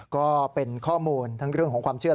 ก็เป็นข้อมูลทั้งเรื่องของความเชื่อ